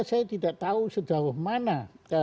saya tidak tahu sejauh mana